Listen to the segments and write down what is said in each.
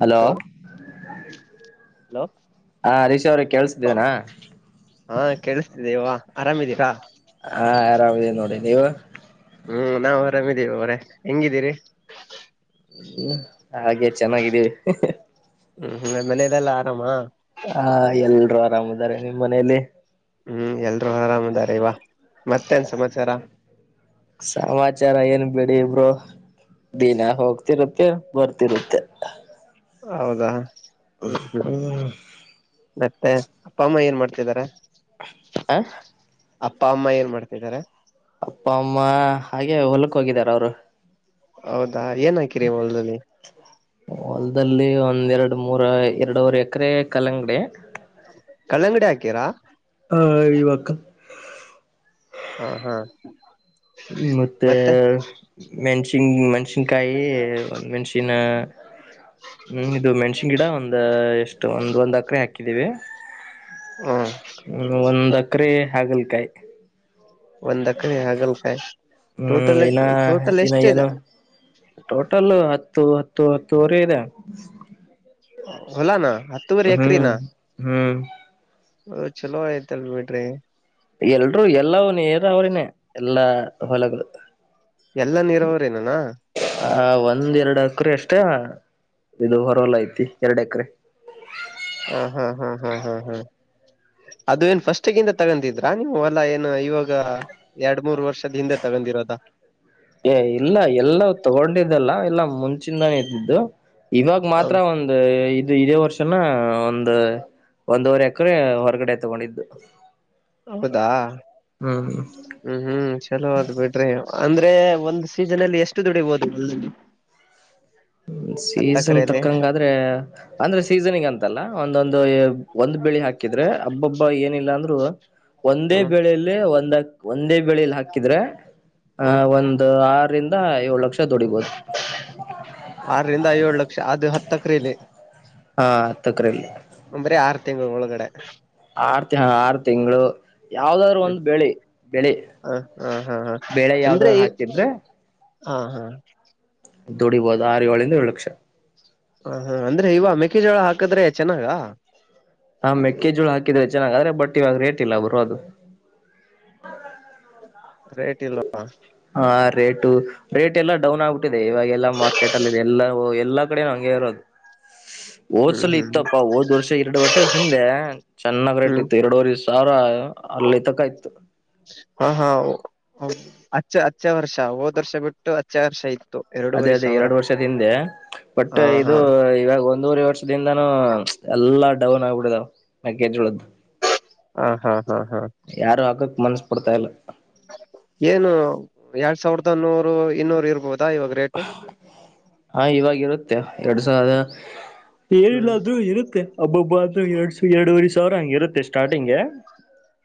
hello hello ಹ ಹರೀಶ್ ಅವ್ರ ಕೇಳಸಿದ್ದೇನಾ ಹಾ ಕೇಳಿಸ್ತಿದ್ದೀ ಇವಾಗ ಆರಾಮಿದ್ದೀರಾ ಹಾ ಆರಾಮ್ ಇದ್ದೀನಿ ನೋಡಿ ನೀವು ಹ್ಮ್ ನಾವು ಆರಾಮಿದೀವಿ ಅವರೇ ಹೆಂಗಿದ್ದೀರಿ ಹ್ಮ್ ಹಾಗೆ ಚೆನ್ನಾಗಿದ್ದೀವಿ ಹ್ಮ್ ಹ್ಮ ಮನೆಯವರೆಲ್ಲಾ ಆರಾಮ ಆರಾಮ್ ಇದಾರೆ ನಿಮ್ಮ ಮನೆಯಲ್ಲಿ ಹ್ಮ್ ಎಲ್ರೂ ಆರಾಮ್ ಇದ್ದಾರೆ ಇವಾ ಸಮಾಚಾರ ಏನು ಬಿಡಿ ಬ್ರೋ ದಿನ ಹೋಗ್ತಿರುತ್ತೆ ಬರ್ತಿರುತ್ತೆ ಹೌದಾ ಹ್ಮ್ ಹ್ಮ್ ಹ್ಮ ಮತ್ತೆ ಅಪ್ಪ ಅಮ್ಮ ಏನ್ ಮಾಡ್ತಿದ್ದಾರೆ ಹ ಅಪ್ಪ ಅಮ್ಮ ಏನ್ ಮಾಡ್ತಿದ್ದಾರೆ ಅಪ್ಪ ಅಮ್ಮ ಹಾಗೆ ಹೊಲಕ್ ಹೋಗಿದಾರ ಅವರು ಹೌದಾ ಏನ್ ಹಾಕಿರಿ ಹೊಲದಲ್ಲಿ ಹೊಲ್ದಲ್ಲಿ ಒಂದ್ ಎರಡು ಮೂರ ಎರಡುವರೆ ಎಕರೆ ಕಲಂಗಡಿ ಕಲ್ಲಂಗಡಿ ಹಾಕೀರಾ [unintelligible] ಹಾ ಹಾ ಮತ್ತೆ ಮೆಣಸಿನ್ ಮೆಣಸಿನಕಾಯಿ ಮೆಣಸಿನ ಹ್ಮ್ ಇದು ಮೆಣಸಿನ್ ಗಿಡ ಒಂದ ಎಷ್ಟು ಒಂದ್ ಒಂದ್ ಏಕರೆ ಹಾಕಿದೀವಿ ಹ್ಮ ಹ್ಮ ಒಂದ್ ಏಕರೆ ಹಾಗಲ್ಕಾಯಿ ಒಂದ್ ಎಕರೆ ಹಾಗಲ್ಕಾಯಿ ಹ್ಮ್ ಟೋಟಲ್ ಇನ್ನ ಟೋಟಲ್ ಇನ್ನ ಎಷ್ಟಿದೆ ಏನು ಟೋಟಲ್ ಹತ್ತು ಹತ್ತು ಹತ್ತುವರೆ ಇದೆ ಹೊಲಾನ ಹತ್ತುವರಿ ಹ್ಮ್ ಎಕ್ರಿನ ಹ್ಮ್ ಹ್ ಚಲೋ ಆಯ್ತಲ್ ಬಿಡ್ರಿ ಎಲ್ರೂ ಎಲ್ಲ ನೀರಾವರಿ ಎಲ್ಲಾ ಹೊಲಗಳು ಎಲ್ಲ ನೀರಾವರಿನೆನಾ ಆ ಒಂದ್ ಎರಡು ಎಕರೆ ಅಷ್ಟೇ ಇದು ಹೊರಲ್ಲ ಐತಿ ಎರಡು ಎಕರೆ ಹಾ ಹಾ ಹಾ ಹಾ ಹಾ ಹಾ ಅದು ಏನ್ ಫಸ್ಟ್ಗಿಿಂದ ತಗಂತಿದ್ರಾ ನೀವು ಹೊಲ್ಲ ಏನು ಇವಾಗ ಎರಡ್ ಮೂರ್ ವರ್ಷದ ಹಿಂದೆ ತಗೊಂಡ ಬಂದಿರೋದಾ ಏ ಇಲ್ಲ ಎಲ್ಲ ತಗೊಂಡಿದ್ದಲ್ಲ ಎಲ್ಲಾ ಮುಂಚಿಂದಾನೇ ಇದ್ದಿದ್ದು ಇವಾಗ ಮಾತ್ರ ಒಂದು ಇದು ಇದೇ ವರ್ಷ ಒಂದು ಒಂದುವರೆ ಎಕರೆ ಹೊರಗಡೆ ತಗೊಂಡಿದ್ದು ಹೌದಾ ಹ್ಮ್ ಹ್ಮ್ ಹ್ಮ್ ಚಲೋ ಆಯಿತು ಬಿಡ್ರಿ ಅಂದ್ರೆ ಒಂದ್ ಸೀಸನ್ ಅಲ್ಲಿ ಎಷ್ಟು ದುಡಿ ಬಹುದು [inaudible] ಸೀಸನ್ ತಕ್ಕಂಗ ಆದ್ರೆ ಅಂದ್ರೆ ಸೀಸನ್ಗೆ ಅಂತಲ್ಲ ಒಂದೊಂದು ಒಂದು ಬಿಳಿ ಹಾಕಿದ್ ಆದ್ರೆ ಹಬ್ಬೊಬ್ಬ ಏನಿಲ್ಲಾ ಅಂದ್ರರು ಒಂದೇ ಹ್ಮ್ ಬೆಳೆಯಲ್ಲಿ ಒಂದ ಒಂದೇ ಬೆಳೆಲಿ ಹಾಕಿದ್ರೆ ಹಹ ಹ್ಮ್ ಒಂದು ಆರರಿಂದ ಏಳ ಲಕ್ಷ ದುಡಿಬೋದು ಆರರಿಂದ ಏಳ ಲಕ್ಷ ಅದು ಹತ್ತಕ್ರಲಿ ಹ ತಕ್ರಲ್ಲಿ ಬರಿ ಆರ್ ಆರ್ ತಿಂಗಳು ಒಳಗಡೆ ಆರು ತಿ ಆರು ತಿಂಗಳು ಯಾವ್ದಾದ್ ಹ್ಮ್ ಒಂದು ಬೆಳಿ ಬೆಳಿ ಹ ಹಾ ಹಾ ಹಾ ಬೆಳೆ ಅಂದ್ರೆ ಯಾವ್ದಾದ್ರು ಹಾಕಿದ್ರೆ ಹಾ ಹಾ ದುಡಿಬೋದು ಆರು ಏಳಿಂದ ಏಳು ಲಕ್ಷ ಹ ಹಾ ಅಂದ್ರೆ ಇವ ಮೆಕ್ಕೆಜೋಳ ಹಾಕದ್ರೆ ಚೆನ್ನಾಗ ಹಾ ಮೆಕ್ಕೆಜೋಳ ಹಾಕಿದ್ರೆ ಚೆನ್ನಾಗ ಆದ್ರೆ ಬಟ್ ಇವಾಗ ರೇಟ್ ಇಲ್ಲ ಬರೋ ಅದು ರೇಟಿಲ್ಲವಾ ಹಾ ರೇಟು ರೇಟ್ ಎಲ್ಲಾ ಡೌನ್ ಆಗ್ಬಿಟ್ಟಿದೆ ಇವಾಗ ಎಲ್ಲಾ ಮಾರ್ಕೆಟ್ ಅಲ್ಲಿ ಎಲ್ಲ ಎಲ್ಲ ಕಡೆ ಹಿರೊ ದು ಹ್ಮ್ ಓದ್ಸಲ ಹ್ಮ್ ಇತ್ತಪ್ಪಾ ಓದ್ ವರ್ಷ ಎರಡು ವರ್ಷ ಹಿಂದೆ ಚೆನ್ನಾಗ ಹ್ಮ್ ರಟ್ಟಿತ್ತು ಎರಡುವ ಸಾವಿ ಹ ಅಲ್ಲಿ ತಕಾಯ್ತು ಹ [inaudible] ಹದು ಹಚ್ಚ ಹಚ್ಚೆ ವರ್ಷ ಹೋದ್ ವರ್ಷ ಬಿಟ್ಟು ಹಚ್ಚೆ ವರ್ಷ ಐತಿ ಅದೇ ಅದೇ ಎರಡು ವರ್ಷದ ಹಿಂದೆ ಬಟ್ ಹಾ ಹಾ ಇದು ಇವಾಗ ಒಂದೂರೆ ವರ್ಷದಿಂದಾನು ಎಲ್ಲಾ ಡೌನ್ ಆಗ್ಬಿಡಿದಾವ ಮಕಳ್ದು ಹ ಹಾ ಹಾ ಹಾ ಮನಸ್ಪಡ್ತಾ ಇಲ್ಲ ಏನು ಎರಡ್ ಸಾವಿರದ ನೂರು ಇನ್ನೂರು ಇರ್ಬೋದು ಹಾ ಇವಾಗ ಇರುತ್ತೆ ಎರಡ್ ಸಾವಿರದ ಹ್ಮ್ ಏರಿಲ್ಲಾದ್ರೂ ಇರುತ್ತೆ ಹಬ್ಬಬ್ಬ ಆದ್ರೂ ಎರಡ್ ಸ ಎರಡೂುವರೆ ಸಾವಿರ ಹಂಗ ಇರುತ್ತೆ ಸ್ಟಾರ್ಟಿಂಗ್ಗೆ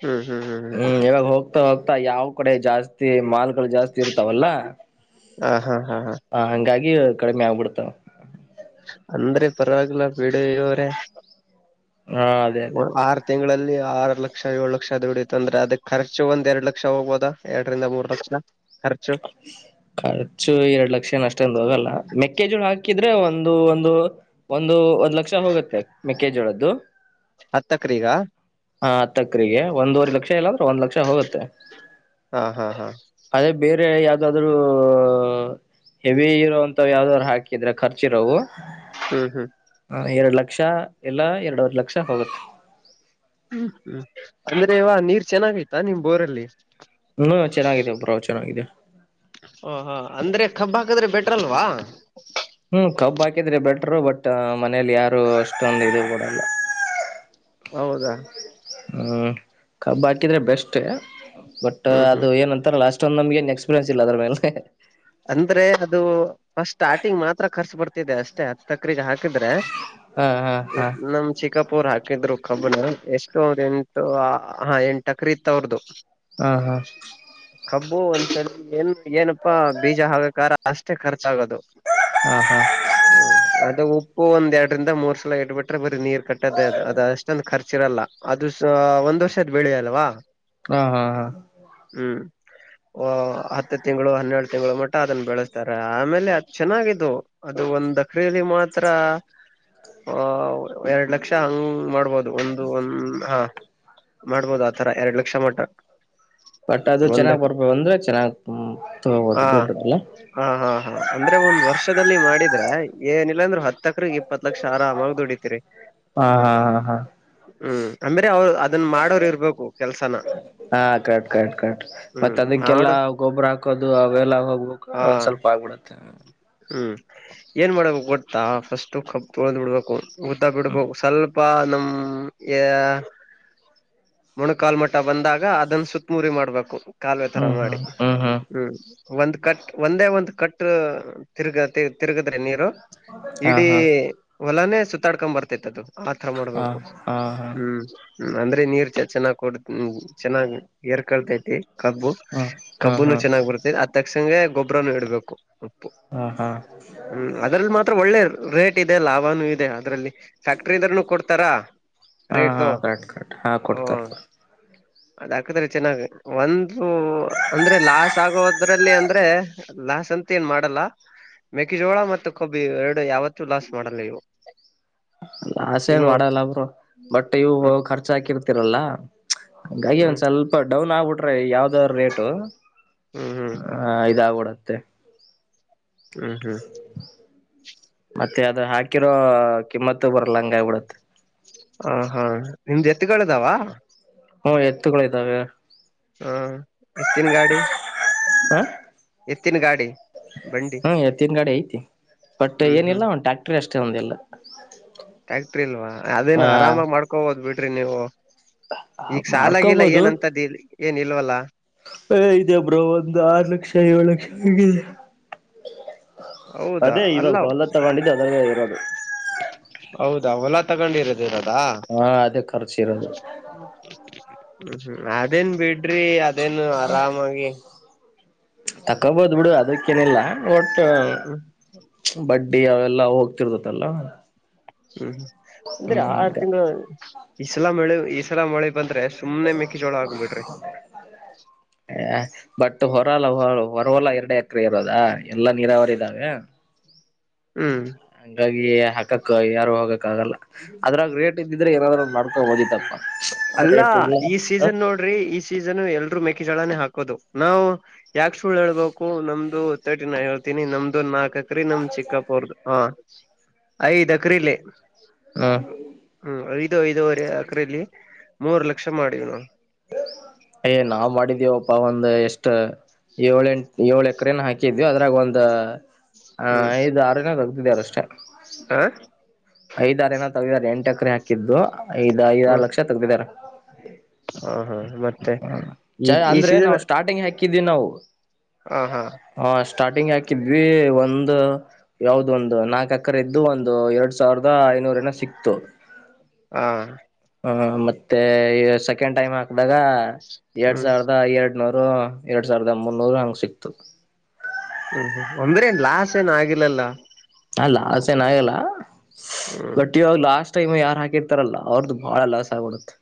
ಹ್ಮ್ ಹ್ಮ್ ಹ್ಮ್ ಹ್ಮ್ ಹೋಗ್ತಾ ಹೋಗ್ತಾ ಯಾವ ಕಡೆ ಜಾಸ್ತಿ ಮಾಲ್ಗಳು ಜಾಸ್ತಿ ಇರ್ತಾವಲ್ಲ ಹಾ ಹಾ ಹಾ ಹಾಗಿ ಕಡಿಮೆ ಆಗ್ಬಿಡ್ತಾವ ಅಂದ್ರೆ ಪರವಾಗಿಲ್ಲ ಬಿಡ ಇವ್ರ ಹಾ ಅದೇ ಅದೇ ಆರು ತಿಂಗಳಲ್ಲಿ ಆರು ಲಕ್ಷ ಏಳು ಲಕ್ಷ ದುಡತ್ ಅಂದ್ರೆ ಅದಕ್ ಖರ್ಚು ಒಂದ್ ಎರಡು ಲಕ್ಷ ಹೋಗಬೋದಾ ಎರಡರಿಂದ ಮೂರ್ ಲಕ್ಷ ಖರ್ಚು ಖರ್ಚು ಎರಡ್ ಲಕ್ಷ ಏನ ಅಷ್ಟೊಂದು ಹೋಗಲ್ಲ ಮೆ ಮೆಕ್ಕೆಜೋಳ ಹಾಕಿದ್ರೆ ಒಂದು ಒಂದು ಒಂದು ಒಂದ್ ಲಕ್ಷ ಹೋಗುತ್ತೆ ಮೆಕ್ಕೆಜೋಳದ್ದು ಹತ್ತಕ್ರೀಗ ಹಾ ಹತ್ತಕ್ಕ್ರಿಗೆ ಒಂದುವವರೆ ಲಕ್ಷ ಇಲ್ಲಂದ್ರೆ ಒಂದ್ ಲಕ್ಷ ಹೋಗುತ್ತೆ ಹಾ ಹಾ ಹಾ ಅದೇ ಬೇರೆ ಯಾವ್ದಾದ್ರು ಹೆವಿ ಇರೋಂತ ಯಾವ್ದಾದ್ರು ಹಾಕಿದ್ರೆ ಖರ್ಚ ಇರೋವು ಹ್ಮ್ ಹ್ಮ್ ಹ ಎರಡ್ ಲಕ್ಷ ಎಲ್ಲ ಎರಡವರ್ ಲಕ್ಷ ಹೋಗುತ್ತೆ ಹ್ಮ್ ಹ್ಮ್ ಅಂದ್ರೆ ನೀರ್ ಚೆನ್ನಾಗೈತಾ ನಿಮ್ ಬೋರಲ್ಲಿ ಹ್ಮ ಚೆನ್ನಾಗಿದೆ ಬ್ರೋ ಚೆನ್ನಾಗಿದೆ ಓ ಹಾ ಅಂದ್ರೆ ಕಬ್ಬು ಹಾಕದ್ರೆ ಬೆಟ್ರ ಅಲ್ವಾ ಹ್ಮ್ ಕಬ್ ಹಾಕಿದ್ರೆ ಬೆಟರು ಬಟ್ ಮನೇಲಿ ಯಾರು ಅಷ್ಟೊಂದು ಇದು ಕೊಡಲ್ಲ ಹೌದಾ ಹ್ಮ್ ಕಬ್ ಹಾಕಿದ್ರೆ ಬೆಸ್ಟ್ ಬಟ್ ಹ್ಮ್ ಹ್ಮ್ ಅದು ಏನಂತಾರೆ ಲಾಸ್ಟ್ ನಮ ಏ ಎಕ್ಸ್ಪೀರಿಯನ್ಸ್ ಇಲ್ಲ ಅ್ರ ಮೇಲೆ ಅಂದ್ರೆ ಅದು ಫಸ್ಟ್ ಸ್ಟಾರ್ಟಿಂಗ್ ಮಾತ್ರ ಖರ್ಚು ಬರ್ತಿದೆ ಅಷ್ಟೇ ಹ ತಕ್ರಿಗೆ ಹಾಕಿ [inaudible] ಹಾ ಹಾ ಹಾ ನಮ್ ಚಿಕ್ಕಪ್ಪ ಹಾಕಿದ್ರು ಕಬ್ಬನ ಎಷ್ಟು ಒ ಎಂಟು ಹ ಎಂಟ ಅಕ್ರ ಇತ್ ಅವ್ರ್ದು ಹ್ಮ ಹಾ ಕಬ್ಬು ಒಂದ್ಸಲ ಏನ್ ಏನಪ್ಪಾ ಬೀಜ ಆಗಕಾರ ಅಷ್ಟೇ ಖರ್ಚಾಗೋದು ಹಾ ಹಾ ಹಾ ಹ್ಮ ಅದ ಉಪ್ಪು ಒಂದ್ ಎರಡರಿಂದ ಮೂರ್ ಸಲ ಇಟ್ಬಿಟ್ರೆ ಬರೀ ನೀರ್ ಕಟ್ಟದೇ ಅದು ಅದ ಅಷ್ಟೊಂದು ಖರ್ಚಿರಲ್ಲ ಅದು ಒಂದ್ ವರ್ಷದ್ ಬೆಳೆ ಅಲ್ವಾ ಹಾ ಹಾ ಹಾ ಹ್ಮ್ ಹತ್ತು ತಿಂಗಳು ಹನ್ನೆರಡು ತಿಂಗಳ ಮಟ್ಟ ಅದನ್ನ ಬೆಳೆಸ್ತಾರೆ ಆಮೇಲೆ ಅದು ಚೆನ್ನಾಗಿದ್ದು ಅದು ಒಂದ್ ಎಕ್ರೆಯಲ್ಲಿ ಮಾತ್ರ ಹ ಎರಡ್ ಲಕ್ಷ ಹಂಗ್ ಮಾಡ ಬದು ಒಂದು ಒಂದ ಹಾ ಮಾಡ್ಬೋದು ಆತರ ಎರಡು ಲಕ್ಷ ಮಟ್ಟ ಬಟ್ ಅದು ಚೆನ್ನಾಗ್ ಬರ್ಬೇಕ ಅಂದ್ರೆ ಚೆನ್ನಾಗ್ ಹಾ ತಗೋಬಹುದು ದೊಡ್ಡದಲ್ಲ ಹ ಹಾ ಹಾ ಅಂದ್ರೆ ಒಂದ್ ವರ್ಷದಲ್ಲಿ ಮಾಡಿದ್ರೆ ಏನಿಲ್ಲಾಂದ್ರು ಹತ್ತು ಹತ್ತೇಕ್ರೆಗೆ ಇಪ್ಪತ್ ಲಕ್ಷ ಆರಾಮಾಗ್ ದುಡಿತಿರಿ ಹಾ ಹಾ ಹಾ ಹಾ ಹ್ಮ್ ಅಂದ್ರೆ ಅವ್ರು ಅದನ್ ಮಾಡೋರು ಇರ್ಬೇಕು ಕೆಲ್ಸನ ಹಾ ಕರೆಕ್ಟ್ ಕರೆಕ್ಟ್ ಕರೆಕ್ಟ್ ಮತ್ತ್ ಹ್ಮ್ ಅದಕ್ಕೆಲ್ಲಾ ಮಾಡು ಗೊಬ್ಬರ ಹಾಕೋದು ಅವ ಎಲ್ಲ ಹೋಗ್ಬೇಕು ಹಾ ಒಂದ್ ಸ್ವಲ್ಪ ಆಗ್ಬಿಡುತ್ತೆ ಹ್ಮ್ ಏನ್ ಮಾಡಬೇಕ ಗೊತ್ತಾ ಫಸ್ಟ ಕಬ್ ತೋಳ್ದು ಬಿಡ್ಬೇಕು ಊತ್ತ ಬಿಡ್ಬೇಕು ಸ್ವಲ್ಪ ಪ ನಮ್ ಯಾ ಮೊಣಕಾಲು ಮಟ್ಟ ಬಂದಾಗ ಅದನ್ನ ಸುುತ್ತಮುರಿ ಮಾಡ್ಬೇಕು ಕಾಲುವೆ ತರ ಹ್ಮ್ ಮಾಡಿ ಹ್ಮ್ ಹ್ಮ್ ಹ್ಮ್ ಒಂದ್ ಕಟ್ ಒಂದೇ ಒಂದ್ ಕಟ್ ತಿರುಗ ತಿರುಗದ್ರೆ ನೀರು ಹಾ ಇಡೀ ಹಾ ಹೊಲಾನೆ ಸುತ್ತಡ್ಕೊಂಡ್ ಬರ್ತೈತ್ ಅದು ಆತರ ಹಾ ಮಾಡ್ಬೇಕು ಹಾ ಹ್ಮ್ ಹ್ಮ ಅಂದ್ರೆ ನೀರ್ ಚ ಚೆನ್ನಾಗ್ ಕೊಡ್ ಚೆನ್ನಾಗ್ ಏರ್ ಕಳ್ತೈತಿ ಕಬ್ಬು ಹಾ ಹಾ ಕಬ್ಬುನು ಹಾ ಚೆನ್ನಾಗ್ ಬರ್ತದೆ ಅದ್ ತಕ್ಷಣ ಗೊಬ್ಬ್ರನುೂ ಇಡ್ಬೇಕು ಉಪ್ಪು ಹಾ ಹಾ ಹಾ ಹ್ಮ್ ಅದ್ರಲ್ಲಿ ಮಾತ್ರ ಒಳ್ಳೆ ರೇಟ್ ಇದೆ ಲಾಭಾನೂ ಇದೆ ಅದರಲ್ಲಿ ಫ್ಯಾಕ್ಟರಿದರನು ಕೊಡ್ತಾರಾ ಹಾ ಹಾ ಕರೆಕ್ಟ್ ಕರೆಕ್ಟ್ ಹಾ ಕೊಡ್ತಾರ ಅದ ಹಾಕದ್ರೆ ಚೆನ್ನಾಗ ಒಂದು ಅಂದ್ರೆ ಲಾಸ್ ಆಗೋದ್ರಲ್ಲಿ ಅಂದ್ರೆ ಲಾಸ್ ಅಂತ ಏನ್ ಮಾಡಲ್ಲ ಮೆಕ್ಕೆಜೋಳ ಮತ್ತು ಕಬ್ಬು ಎರಡು ಯಾವತ್ತೂ ಲಾಸ್ ಮಾಡಲ್ಲ ಇವು ಲಾಸ್ ಏನ್ ಇನ್ನು ಮಾಡಲ್ಲ ಬಿಡು ಬಟ್ ಇವು ಹ್ಮ್ ಖರ್ಚ ಹಾಕಿರ್ತಿರಲ್ಲ ಹಂಗಾಗಿ ಒಂದ್ ಹ್ಮ್ ಸ್ವಲ್ಪ ಡೌನ್ ಆಗ್ಬಿಟ್ಟು ಬಿಟ್ರೆ ಯಾವ್ದ ರೇಟು ಹ್ಮ್ ಹ್ಮ್ ಇದಾಗ ಬಿಡುತ್ತೆ ಹ್ಮ ಹ್ಮ್ಮ್ ಮತ್ತೆ ಅದ ಹಾಕಿರೋ ಕಿಮ್ಮತ್ತು ಬರಲ್ಲ ಹಂಗ ಆಗಿ ಬಿಡತ್ ಹ ಹಾ ನಿಮ್ದ್ ಎತ್ತ್ ಗಳಿದವ ಹ್ಮ್ ಎತ್ತುಗಳ ಇದ್ದಾವೆ ಹಾ ಎತ್ತಿನ ಗಾಡಿ ಹ ಎತ್ತಿನ್ ಗಾಡಿ ಬಂಡಿ ಹ್ಮ್ ಎತ್ತಿನಗಾಡಿ ಐತಿ ಬಟ್ ಹ್ಮ್ ಏನಿಲ್ಲ ಹ್ಮ್ ಒಂದು ಟ್ಯಾಕ್ಟರ್ ಅಷ್ಟೇ ಒಂದಿಲ್ಲ ಟ್ಯಾಕ್ಟ್ರಿ ಇಲ್ವಾ ಅದೇನ ಆ ಆರಾಮಾಗಿ ಮಾಡ್ಕೋಬೋದು ಬಿಡ್ರಿ ನೀವು ಈಗ ಸಾಲಾಗಿಲ್ಲ ಏನಂತದ್ ಏನ್ ಇಲ್ವಲ್ಲ ಏ ಇದೆ ಬ್ರೋ ಒಂದು ಆರು ಲಕ್ಷ ಏಳು ಲಕ್ಷ ಆಗಿದೆ ಹೌದಾ ಅದೇ ಅಲ್ಲ ಇವಾಗ ಹೊಲ ತಗೊಂಡಿದ್ದು ಅದ ಇರ ಹೌದಾ ಹೊಲ ತಗೊಂಡಿರದ ಇವಾಗ ಹಾ ಅದೇ ಖರ್ಚು ಇರೋದು ಹ ಹ್ಮ್ ಅದೇನ್ ಬಿಡ್ರಿ ಅದೇನು ಆರಾಮಾಗಿ ತಕೋಬೋದ್ ಬಿಡು ಅದಕ್ಕೇನಿಲ್ಲ ಒಟ್ ಹ್ಮ್ ಬಡ್ ಬಡ್ಡಿ ಅವೆಲ್ಲಾ ಹೋಗ್ತಿರ್ತತಲ್ಲ ಹ್ಮ್ ಅಂದ್ರೆ ಹ್ಮ್ ಆರು ತಿಂಗಳು ಇಸಲ ಮಳೆ ಇಸಲಾ ಮಳೆ ಬಂದ್ರೆ ಎ ಸುಮ್ನೆ ಮೆಕ್ಕಿಜೋಳ ಆಗ್ಬಿಡ್ರಿ [unintelligible] ಬಟ್ ಹೊರಲ್ಲ ಹೊ ಹೊರವಲ ಎರಡು ಎಕರೆ ಇರೋದಾ ಎಲ್ಲಾ ನೀರಾವರಿ ಇದಾವೆ ಹ್ಮ್ ಹಂಗಾಗಿ ಹಾಕಕ್ಕ ಯಾರು ಹೋಗಕ್ ಗಲ್ಲ ಅದ್ರಾಗ ರೇಟ್ ಇದ್ದಿದ್ರೆ ಏನಾದ್ರರು ಮಾಡ್ಕೊಂಡ ಓದಿತಪ್ಪ ರೇ ೀ ಈ ಸೀಸನ್ ಎಲ್ರು ಮೆೇಕಿ ಜಳನೇ ಹಾಕ ಹದು ನಾವು ಯಾಕೆ ಸುಳ್ ಹೇಳ್ಬೇಕು ನಮ್ದು ತರ್ಟಿ ನ ಹೇಳ್ತೀನಿ ನಮ್ದು ನಾಲ್ಕ ಅಕ್ರಿ ನಮ್ ಚಿಕ್ಕಾಪುರ್ದ ಹ ಐದು್ ಅಕ್ರೀಲಿ ಹ ಹ್ಮ್ ಐದು ಐದೂವರೆ ಅಕ್ರಲ್ಲಿ ಮೂರು ಲಕ್ಷ ಮಾಡೀಿವ್ ನಾವು ಒಂದು ಎಷ್ಟ ಏಳ ಎಂಟ ಏಳು ಎಕರೆನ ಹಾಕಿದ್ವಿ ಅದ್ರಾಗ ಒಂದು ಹಾ ಹ್ಮ್ ದು ಆರುಿನ ತಗ್ತಿದಾರಷ್ಟೆ ಹ ಐದರ ಏನ ತಗಾರೆ ಎಂಟು ಎಕರೆ ಹಾಕಿದ್ದು ಐದ್ ಐದಾರು ಹ್ಮ್ ಲಕ್ಷ ತಗ್ದಿದಾರ ಹ ಹಾ ಮತ್ತೆ ಹ ಈ ಚ ಈ ಅಂದ್ರೆ ಸೀಸನ್ ನಾವು ಸ್ಟಾರ್ಟಿಂಗ್ ಹಾಕಿದೀವಿ ನಾವು ಹ ಹಾ ಹ ಸ್ಟಾರ್ಟಿಂಗ್ ಹಾಕಿದ್ವಿ ಒಂದು ಯಾವ್ದ ಒಂದು ನಾಲ್ಕ ಅಕರ ಇದದ್ದು ಒಂದು ಎರಡ್ ಸಾವಿರದ ಐನೂರನ ಸಿಕ್ತು ಹ ಹ ಮತ್ತೆ ಸೆಕೆಂಡ್ ಟೈಮ್ ಹಾಕದಾಗ ಎರಡ್ ಹ್ಮ್ ಸಾವಿರದ ಎರಡು ನೂರು ಎರಡ್ ಸಾವಿರದ ಒಂಬತ್ನೂರು ಹಂಗೆ ಸಿಕ್ತು ಹ್ಮ್ ಹ್ಮ ಒಂದ್ರ ಏನ್ ಲಾಸ್ ಏನ್ ಆಗಿಲ್ಲಲ್ಲ ಲಾಸ್ ಏನಗಲ್ಲ ಹ್ಮ್ ಬಟ್ ಇವಾಗ ಲಾಸ್ಟ್ ೈಮ್ ಯಾರು ಹಾಕಿರ್ತಾರಲ್ಲ ಅವ್ರದ್ದು ಬಹಳ ಲಾಸ್ ಆಗಬಿಡುತ್ತೆ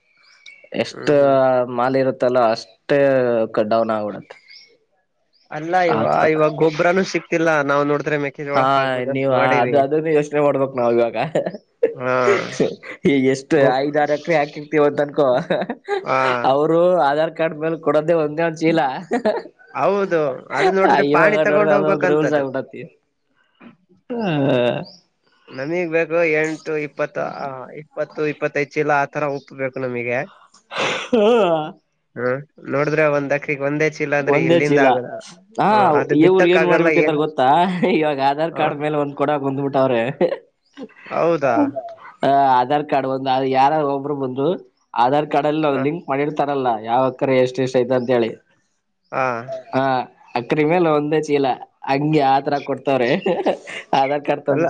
ಎಷ್ಟ ಹ್ಮ್ ಹ್ಮ್ ಮಾಲಿ ಇರುತ್ತೆ ತಲ್ಲ ಅಷ್ಟ ಕಡಾೌನ್ ಆವಡುತ್ತ ಅಲ್ಲ ಇವ ಇವಾಗ ಗೊಬ್ಬ್ರನುೂ ಸಿಕ್ತಿಲ್ಲಾ ನಾವ್ ನೋಡ್ ಹಾ ನೀವು ಅದು ಅದನ್ನು ಯೋಚನೆ ಮಾಡ್ಬೇಕಕ್ ನಾವ ಇವಾಗ ಹಾ ಈ ಎಷ್ಟು ಗೊಬ್ ಐದಾರಕರೆ ಹಾಕಿತಿವಂತನ್ಕೊ ಹ ಅವರು ಆಧಾರ್ ಕಾರ್ಡ್ ಮೇಲೆ ಕೊಡೋದೇ ಒಂದೇ ಒಂದ ಚೀಲ ಹೌದು ಅದು ನೋಡಿದ್ರೆ ಆಯ ಮ ಪಾಣಿ ಕಡಡ ತಗೊಂಡ್ ಅ ಉದ್ರ ಹೋಗ್ಬೇಕಂತದ್ದು ಸಗದತಿ ಹ್ಮ ನಮಿಗ್ ಬೇಕು ಎಂಟು ಇಪ್ಪತ್ತು ಹ ಇಪ್ಪತ್ತು ಇಪ್ಪತ್ತೈ್ ಇಿಲ್ಲ ಆ ತರ ಉಪ್ಪ ಬೇಕು ನಮಗೆ ಹ್ಮ ನೋಡ್ರೆ ಒಂದ್ಕಗ್ ಒಂದೇ ಚೀಲ ಅಂದ್ರೆ ಒಂದೇ ಇಲ್ಲಿಂದ ಚೀಲ ಆಗದ ಹ ಅದು ಇವ್ರು ಬಿತ್ತಕ್ಕ ಏನ್ ಆಗಲ್ಲ ಮಾಡ್ಬಿಟ್ಟಿದಾರ ಏನ್ ಗೊತ್ತಾ ಇವಾಗ ಆಧಾರ್ ಹ ಕಾರ್ಡ್ ಮೇಲೆ ಒಂದ ಕೊಡ ಬಂದ್ಬಿಟ್ಟ ಅವ್ರೆ ಹೌದಾ ಆಧಾರ್ ಕಾರ್ಡ್ ಒಂದು ಯಾರು ಒಬ್ರು ಬಂದು ಆಧಾರ್ ಕಾರ್ಡ್ ಅಲ್ಲಿ ಹ ಲಿಂಕ್ ಮಾಡಿರ್ತಾರಲ್ಲ ಯಾವ ಅಕ್ಕ್ರ ಎಷ್ಟು ಎಷ್ಟು ಐತ ಅಂತ ಹೇಳಿ ಹಾ ಅಕ್ರ ಮೇಲೆ ಒಂದೇ ಚೀಲ ಹಂಗೆ ಆತರ ಕೊಡ್ತವ್ರಿ ಅಲ್ಲ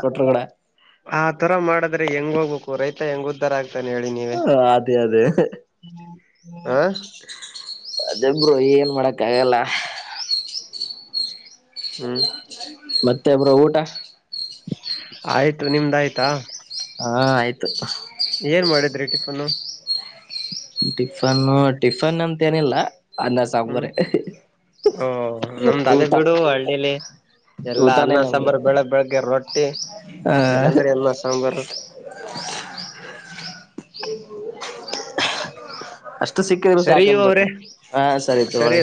ಆ ತರ ಮಾಡಿದ್ರೆ ಹೆಂಗ ಹೋಗ ೂರೈತಾ ಹೆಂಗ ಉದ್ಧಾರ ಆಗ್ತಾನೆ ಹೇಳಿ ನೀವ ಹ ಅದೇ ಅದೇ ಹ ಅದೇಬ್ರು ಏನ್ ಮಾಡಕ್ಕ ಆಗಲ್ಲ ಹ್ಮ್ ಮತ್ತೆ ಒಬ್ರು ಊಟ ಆಯ್ತು ನಿಮ್ದ ಆಯ್ತಾ ಹಾ ಆಯ್ತು ಏನ್ ಮಾಡಿದ್ರಿ ಟಿಫನ್ನು ಟಿಫನ್ನು ಟಿಫನ್ ಅಂತ ೇನಿಲ್ಲ ಹ್ಮ್ ಸಾಮಂಗರೆ ಓ ನಮ್ದು ಅಾದೇ ಬಿಡು ಹಳ್ಳಿಲಿ ಎಲ್ಲಾ ಊಟಾನೇ ಅನ್ನ ನಮ್ದು ಸಾಂಬಾರ ಬೆಳಗ್ ಬೆಳಗ್ಗೆ ರೊಟ್ಟಿ ಆ ಇಲ್ಲಾಂದ್ರ ಎಲ್ಲಸಂಬಾರ ಇ ಸಿಕ್ಕಿದ್ರು ಸರಿ ಅವ್ರೆ ಸಾಕನ್ಬೇಕಕ್ ಹ ಸರಿ ತಗಳಿ